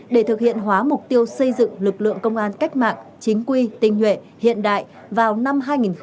để thực hiện hóa mục tiêu xây dựng lực lượng công an cách mạng chính quy tinh nhuệ hiện đại vào năm hai nghìn hai mươi